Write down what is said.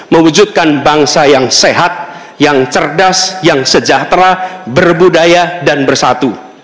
mewujudkan bangsa yang sehat yang cerdas yang sejahtera berbudaya dan bersatu